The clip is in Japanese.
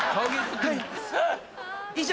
以上！